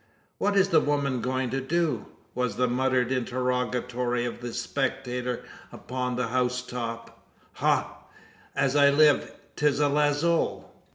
"What is the woman going to do?" was the muttered interrogatory of the spectator upon the house top. "Ha! As I live, 'tis a lazo!"